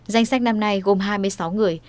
danh sách năm nay gồm hai mươi sáu người